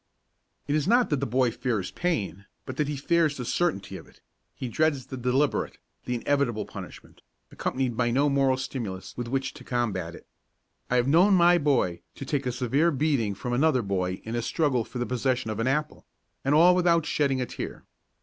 It is not that the boy fears pain, but that he fears the certainty of it, he dreads the deliberate, the inevitable punishment, accompanied by no moral stimulus with which to combat it. I have known my boy to take a severe beating from another boy in a struggle for the possession of an apple and all without shedding a tear.